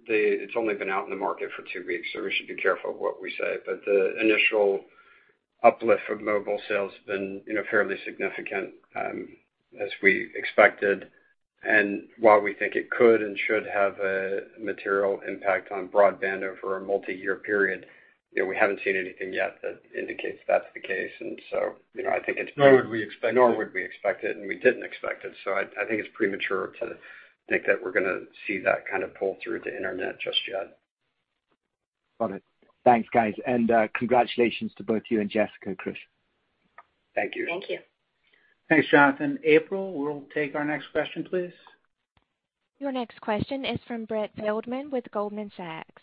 it's only been out in the market for two weeks, so we should be careful of what we say. But the initial uplift for mobile sales has been, you know, fairly significant, as we expected. While we think it could and should have a material impact on broadband over a multiyear period, you know, we haven't seen anything yet that indicates that's the case. You know, I think it's pre- Nor would we expect it. Nor would we expect it, and we didn't expect it. I think it's premature to think that we're gonna see that kind of pull through to internet just yet. Got it. Thanks, guys. Congratulations to both you and Jessica, Chris. Thank you. Thank you. Thanks, Jonathan. April, we'll take our next question, please. Your next question is from Brett Feldman with Goldman Sachs.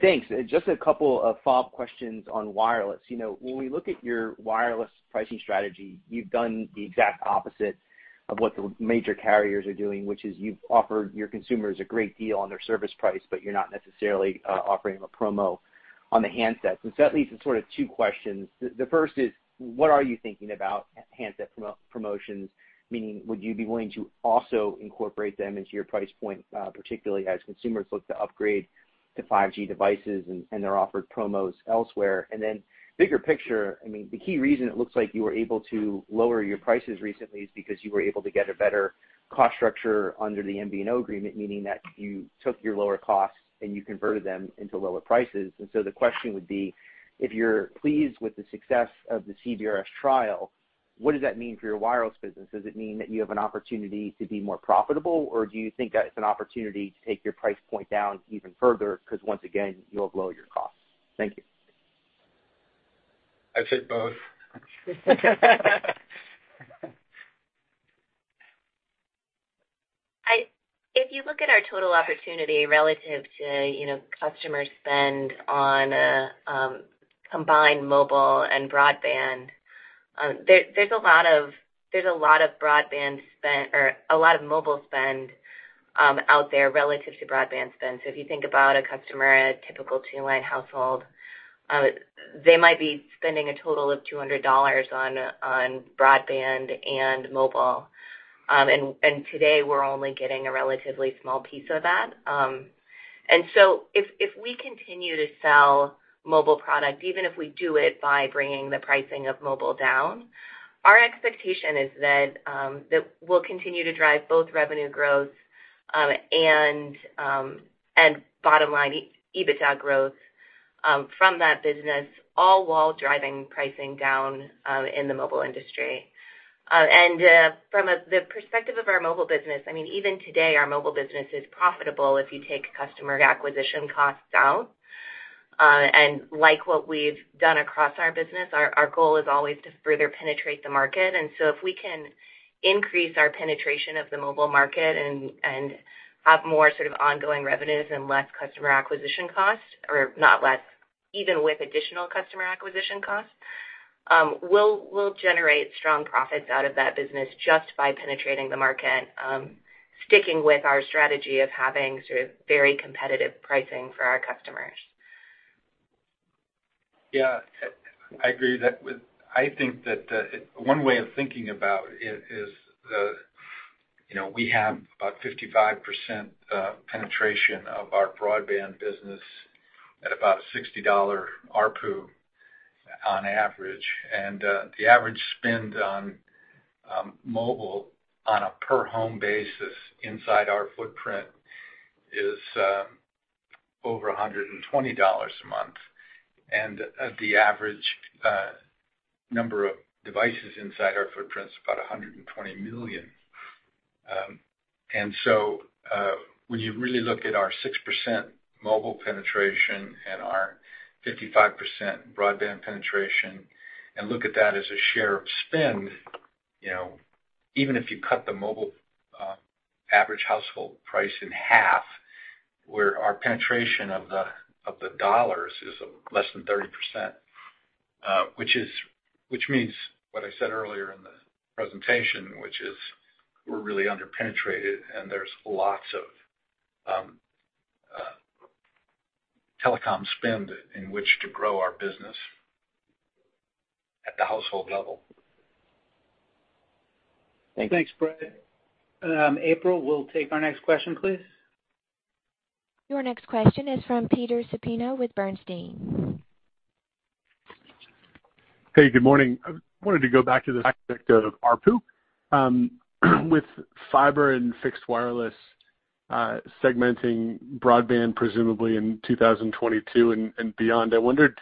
Thanks. Just a couple of follow-up questions on wireless. You know, when we look at your wireless pricing strategy, you've done the exact opposite of what the major carriers are doing, which is you've offered your consumers a great deal on their service price, but you're not necessarily offering them a promo on the handsets. And so that leads to sort of two questions. The first is, what are you thinking about handset promotions? Meaning, would you be willing to also incorporate them into your price point, particularly as consumers look to upgrade to 5G devices and they're offered promos elsewhere? Bigger picture, I mean, the key reason it looks like you were able to lower your prices recently is because you were able to get a better cost structure under the MVNO agreement, meaning that you took your lower costs and you converted them into lower prices. The question would be, if you're pleased with the success of the CBRS trial, what does that mean for your wireless business? Does it mean that you have an opportunity to be more profitable, or do you think that it's an opportunity to take your price point down even further? 'Cause once again, you'll blow your costs. Thank you. I'd say both. If you look at our total opportunity relative to, you know, customer spend on combined mobile and broadband, there's a lot of broadband spend or a lot of mobile spend out there relative to broadband spend. If you think about a customer at a typical two-line household, they might be spending a total of $200 on broadband and mobile. Today, we're only getting a relatively small piece of that. If we continue to sell mobile product, even if we do it by bringing the pricing of mobile down, our expectation is that we'll continue to drive both revenue growth and bottom line EBITDA growth from that business, all while driving pricing down in the mobile industry. From the perspective of our mobile business, I mean, even today, our mobile business is profitable if you take customer acquisition costs out. Like what we've done across our business, our goal is always to further penetrate the market. If we can increase our penetration of the mobile market and have more sort of ongoing revenues and less customer acquisition costs, or not less, even with additional customer acquisition costs, we'll generate strong profits out of that business just by penetrating the market, sticking with our strategy of having sort of very competitive pricing for our customers. Yeah. I agree with that. I think one way of thinking about it is, you know, we have about 55% penetration of our broadband business at about $60 ARPU on average. The average spend on mobile on a per home basis inside our footprint is over $120 a month. The average number of devices inside our footprint is about 120 million. When you really look at our 6% mobile penetration and our 55% broadband penetration and look at that as a share of spend, you know, even if you cut the mobile average household price in half, where our penetration of the dollars is less than 30%, which means what I said earlier in the presentation, which is we're really underpenetrated, and there's lots of telecom spend in which to grow our business at the household level. Thanks Brett. April, we'll take our next question, please. Your next question is from Peter Supino with Bernstein. Hey, good morning. I wanted to go back to the aspect of ARPU. With fiber and fixed wireless segmenting broadband, presumably in 2022 and beyond, I wondered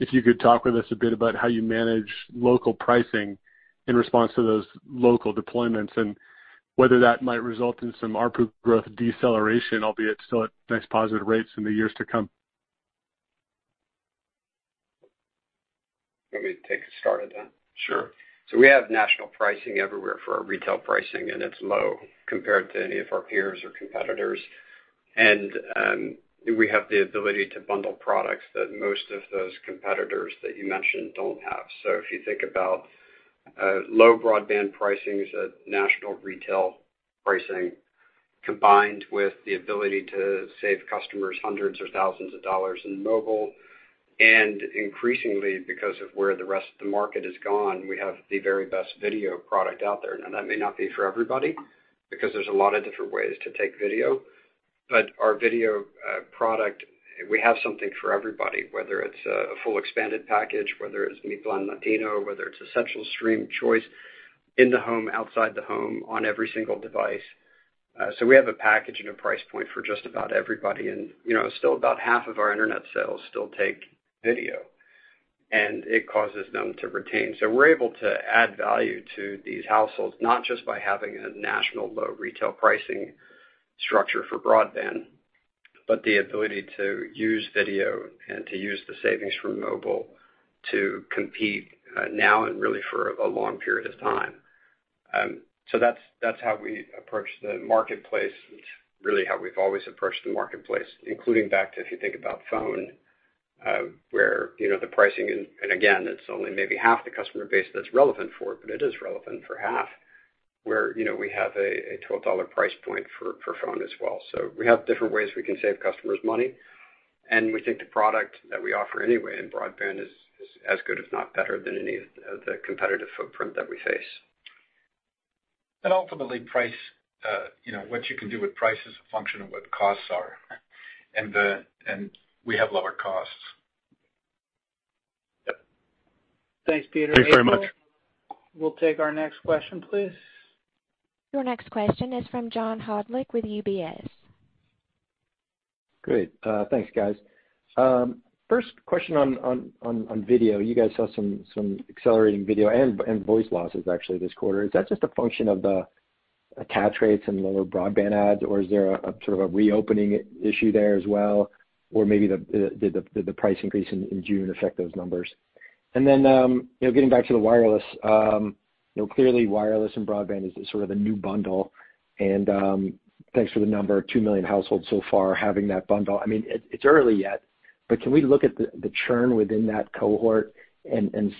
if you could talk with us a bit about how you manage local pricing in response to those local deployments and whether that might result in some ARPU growth deceleration, albeit still at nice positive rates in the years to come? You want me to take a stab at that? We have national pricing everywhere for our retail pricing, and it's low compared to any of our peers or competitors. We have the ability to bundle products that most of those competitors that you mentioned don't have. If you think about low broadband pricing as a national retail pricing, combined with the ability to save customers hundreds or thousands of dollars in mobile, and increasingly, because of where the rest of the market has gone, we have the very best video product out there. Now, that may not be for everybody because there's a lot of different ways to take video, but our video product, we have something for everybody, whether it's a full expanded package, whether it's Mi Plan Latino, whether it's Essentials, Stream, Choice in the home, outside the home, on every single device. We have a package and a price point for just about everybody. You know, still about half of our internet sales still take video, and it causes them to retain. We're able to add value to these households, not just by having a national low retail pricing structure for broadband, but the ability to use video and to use the savings from mobile to compete, now and really for a long period of time. That's how we approach the marketplace. It's really how we've always approached the marketplace, including back to if you think about phone, where you know, the pricing and again, it's only maybe half the customer base that's relevant for it, but it is relevant for half. You know, we have a $12 price point for phone as well. We have different ways we can save customers money, and we think the product that we offer anyway in broadband is as good, if not better than any of the competitive footprint that we face. Ultimately, price, you know, what you can do with price is a function of what the costs are. We have lower costs. Thanks, Peter. Thanks very much. April, we'll take our next question, please. Your next question is from John Hodulik with UBS. Great. Thanks, guys. First question on video. You guys saw some accelerating video and voice losses actually this quarter. Is that just a function of the attach rates and lower broadband adds, or is there a sort of a reopening issue there as well? Or maybe the price increase in June affect those numbers? Getting back to the wireless, you know, clearly wireless and broadband is sort of a new bundle. Thanks for the number, 2 million households so far having that bundle. I mean, it's early yet, but can we look at the churn within that cohort and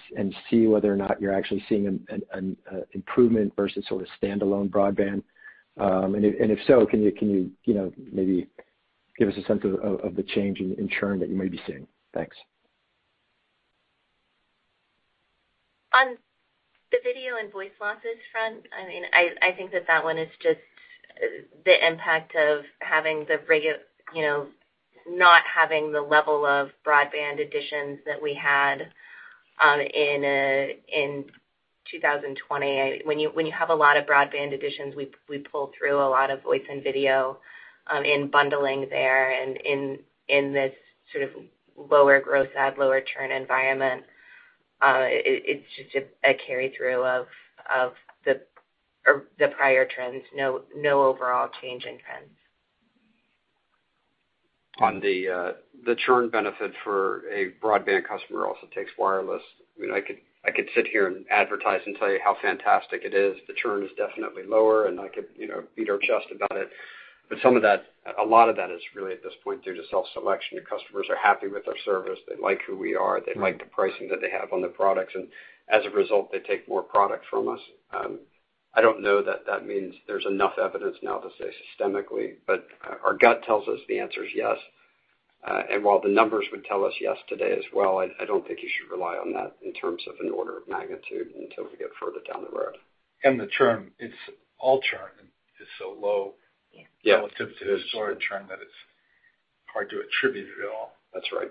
see whether or not you're actually seeing an improvement versus sort of standalone broadband? If so, can you know, maybe give us a sense of the change in churn that you may be seeing? Thanks. On the video and voice losses front, I mean, I think that one is just the impact of having, you know, not having the level of broadband additions that we had in 2020. When you have a lot of broadband additions, we pull through a lot of voice and video in bundling there and in this sort of lower growth and lower churn environment. It's just a carry-through of the The prior trends? No overall change in trends. On the churn benefit for a broadband customer also takes wireless. I mean, I could sit here and advertise and tell you how fantastic it is. The churn is definitely lower, and I could, you know, beat our chest about it. But some of that, a lot of that is really at this point due to self-selection. Your customers are happy with their service. They like who we are. They like the pricing that they have on the products, and as a result, they take more product from us. I don't know that means there's enough evidence now to say systemically, but our gut tells us the answer is yes. While the numbers would tell us yes today as well, I don't think you should rely on that in terms of an order of magnitude until we get further down the road. All churn is so low. Yes. Yes, it is. Relative to the sort of churn that it's hard to attribute it at all. That's right.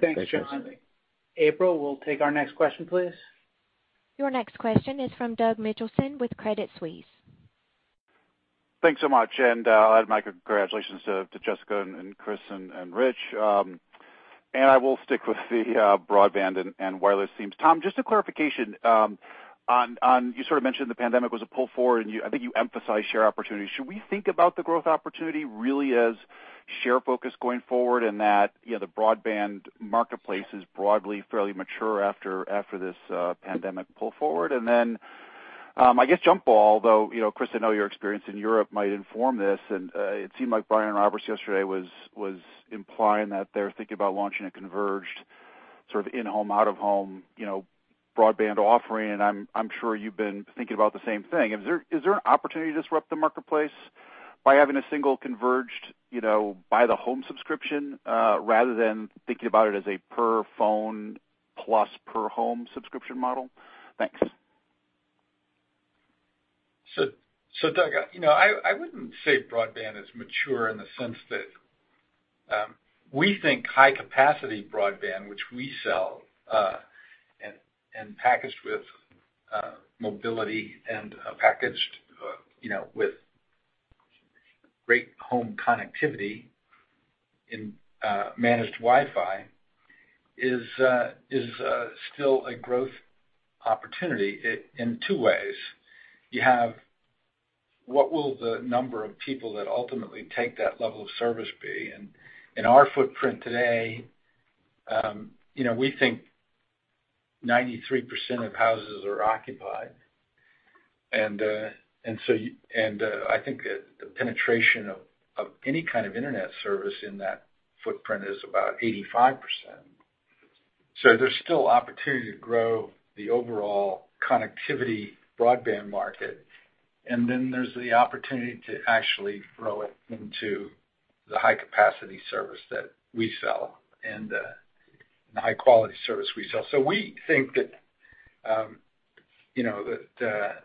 Thanks, John. April, we'll take our next question, please. Your next question is from Doug Mitchelson with Credit Suisse. Thanks so much. I'll add my congratulations to Jessica and Chris and Rich. I will stick with the broadband and wireless themes. Tom, just a clarification on you sort of mentioned the pandemic was a pull forward, and you, I think you emphasized share opportunities. Should we think about the growth opportunity really as share focus going forward and that, you know, the broadband marketplace is broadly fairly mature after this pandemic pull forward? I guess jump ball, although you know, Chris, I know your experience in Europe might inform this. It seemed like Brian Roberts yesterday was implying that they're thinking about launching a converged, sort of in-home, out-of-home, you know, broadband offering. I'm sure you've been thinking about the same thing. Is there an opportunity to disrupt the marketplace by having a single converged, you know, by the home subscription, rather than thinking about it as a per phone plus per home subscription model? Thanks. Doug, you know, I wouldn't say broadband is mature in the sense that we think high capacity broadband, which we sell, and packaged with mobility and packaged with great home connectivity in managed Wi-Fi is still a growth opportunity in two ways. You have, what will the number of people that ultimately take that level of service be? In our footprint today, you know, we think 93% of houses are occupied. I think the penetration of any kind of internet service in that footprint is about 85%. There's still opportunity to grow the overall connectivity broadband market. There's the opportunity to actually grow it into the high capacity service that we sell and, the high quality service we sell. We think that, you know, that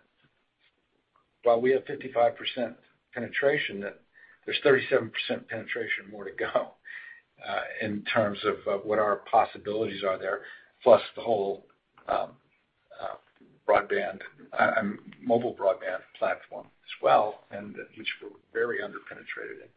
while we have 55% penetration, that there's 37% penetration more to go, in terms of what our possibilities are there, plus the whole, broadband, mobile broadband platform as well, and which we're very underpenetrated in.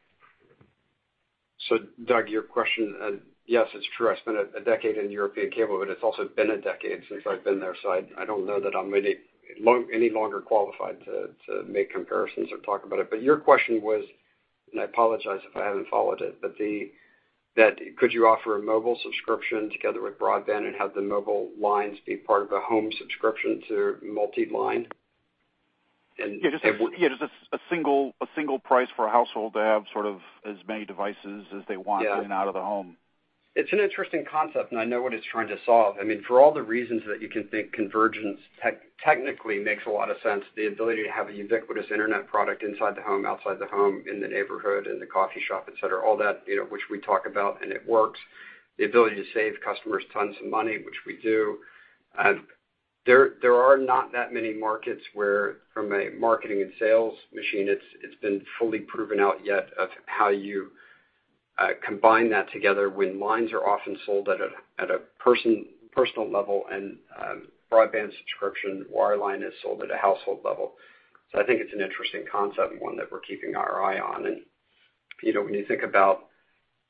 Doug, your question, yes, it's true, I spent a decade in European cable, but it's also been a decade since I've been there, so I don't know that I'm any longer qualified to make comparisons or talk about it. Your question was, and I apologize if I haven't followed it, but that could you offer a mobile subscription together with broadband and have the mobile lines be part of a home subscription to multi-line? Yeah, just a single price for a household to have sort of as many devices as they want. Yeah. In and out of the home. It's an interesting concept, and I know what it's trying to solve. I mean, for all the reasons that you can think convergence technically makes a lot of sense, the ability to have a ubiquitous internet product inside the home, outside the home, in the neighborhood, in the coffee shop, et cetera, all that, you know, which we talk about, and it works. The ability to save customers tons of money, which we do. There are not that many markets where from a marketing and sales machine, it's been fully proven out yet of how you combine that together when lines are often sold at a personal level and broadband subscription wireline is sold at a household level. I think it's an interesting concept and one that we're keeping our eye on. You know, when you think about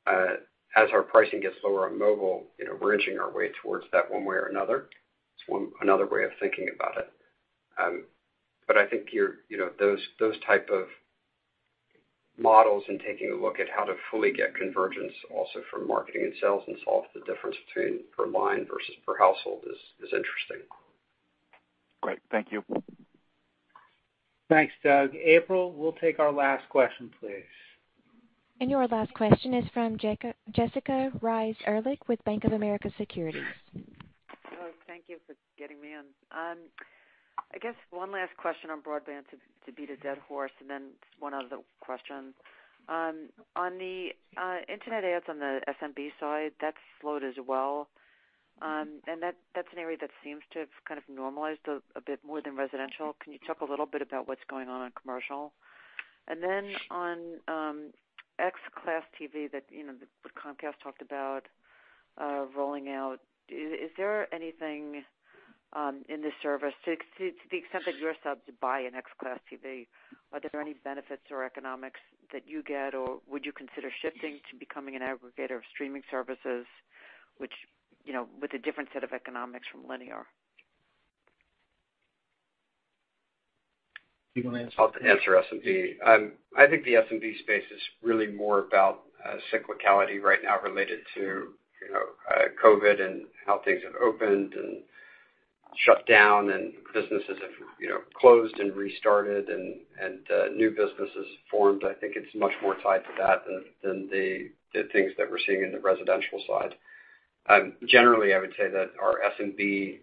as our pricing gets lower on mobile, you know, we're inching our way towards that one way or another. It's one another way of thinking about it. But I think you know those type of models and taking a look at how to fully get convergence also from marketing and sales and solve the difference between per line versus per household is interesting. Great. Thank you. Thanks, Doug. April, we'll take our last question, please. Your last question is from Jessica Reif Ehrlich with Bank of America Securities. Oh, thank you for getting me on. I guess one last question on broadband to beat a dead horse and then one other question. On the internet adds on the SMB side, that slowed as well. That's an area that seems to have kind of normalized a bit more than residential. Can you talk a little bit about what's going on on commercial? Then on XClass TV that you know that Comcast talked about rolling out. Is there anything in this service to the extent that you're sub to buy an XClass TV, are there any benefits or economics that you get, or would you consider shifting to becoming an aggregator of streaming services? Which, you know, with a different set of economics from linear. Do you wanna answer? I'll answer S&B. I think the S&B space is really more about cyclicality right now related to you know COVID and how things have opened and shut down and businesses have you know closed and restarted and new businesses formed. I think it's much more tied to that than the things that we're seeing in the residential side. Generally, I would say that our S&B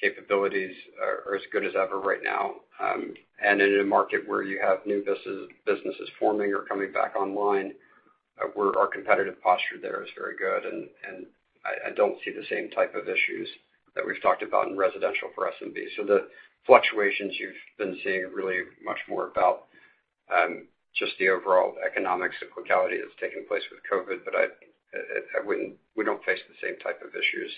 capabilities are as good as ever right now. In a market where you have new businesses forming or coming back online, our competitive posture there is very good, and I don't see the same type of issues that we've talked about in residential for S&B. The fluctuations you've been seeing are really much more about just the overall economic cyclicality that's taking place with COVID, but we don't face the same type of issues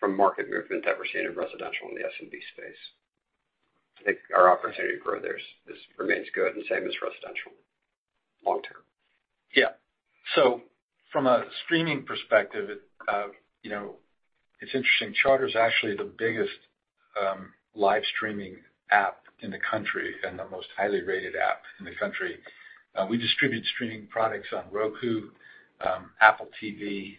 from market movement that we're seeing in residential in the SMB space. I think our opportunity to grow there remains good and same as residential long term. Yeah. From a streaming perspective, it, you know, it's interesting. Charter's actually the biggest live streaming app in the country and the most highly rated app in the country. We distribute streaming products on Roku, Apple TV,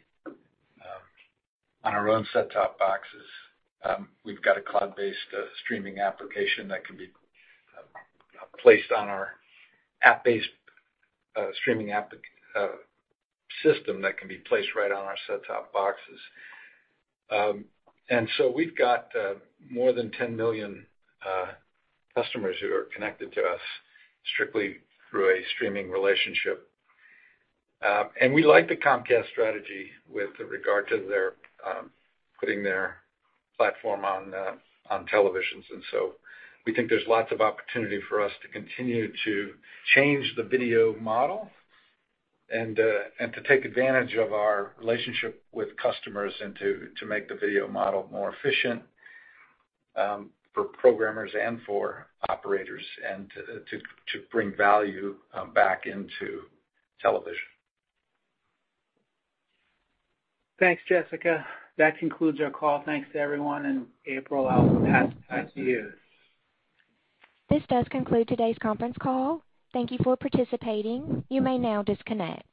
on our own set-top boxes. We've got a cloud-based streaming application that can be placed on our app-based streaming app system that can be placed right on our set-top boxes. We've got more than 10 million customers who are connected to us strictly through a streaming relationship. We like the Comcast strategy with regard to their putting their platform on televisions, and so we think there's lots of opportunity for us to continue to change the video model and to take advantage of our relationship with customers and to bring value back into television. Thanks, Jessica. That concludes our call. Thanks to everyone, and April, I'll pass it back to you. This does conclude today's conference call. Thank you for participating. You may now disconnect.